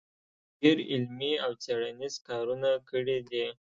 ډېر علمي او څېړنیز کارونه کړي دی